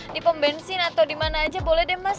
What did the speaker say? di pembensin atau dimana aja boleh deh mas